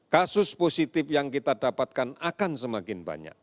kasus positif yang kita dapatkan akan semakin banyak